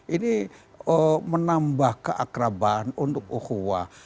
ini menambah keakraban untuk ukhuwah